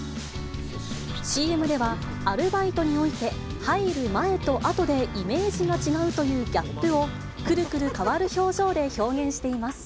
ＣＭでは、アルバイトにおいて、入る前と後でイメージが違うというギャップを、くるくる変わる表情で表現しています。